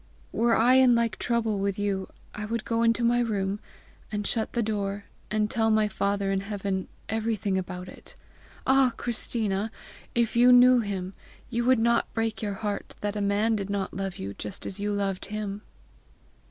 Were I in like trouble with you, I would go into my room, and shut the door, and tell my Father in heaven everything about it. Ah, Christina! if you knew him, you would not break your heart that a man did not love you just as you loved him."